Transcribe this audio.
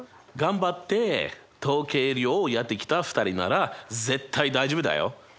頑張って統計量をやってきた２人なら絶対大丈夫だよ。